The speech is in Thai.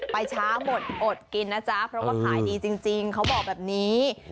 ไปช้าหมดอดกินนะจ๊ะเพราะว่าขายดีจริงเขาบอกแบบนี้